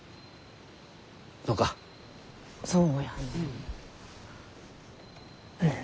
そうやねん。